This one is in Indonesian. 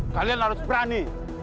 kalian harus berani